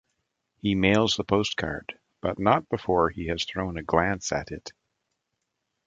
He mails the postcard, but not before he has thrown a glance at it.